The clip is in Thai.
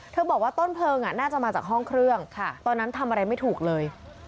บอกว่าต้นเพลิงน่าจะมาจากห้องเครื่องตอนนั้นทำอะไรไม่ถูกเลย